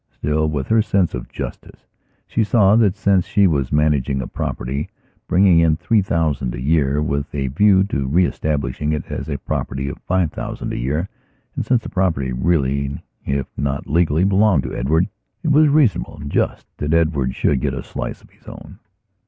Still, with her sense of justice, she saw that, since she was managing a property bringing in three thousand a year with a view to re establishing it as a property of five thousand a year and since the property really, if not legally, belonged to Edward, it was reasonable and just that Edward should get a slice of his own.